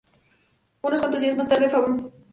Unos cuantos días más tarde Fabricius vino a Stolberg.